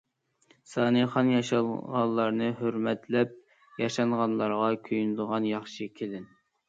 سانىخان ياشانغانلارنى ھۆرمەتلەپ، ياشانغانلارغا كۆيۈنىدىغان ياخشى كېلىن.